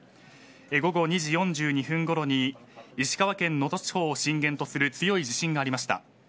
午後２時４２分ごろに石川県能登地方を震源とする強い地震がありました。